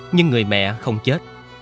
nhưng người mẹ không chết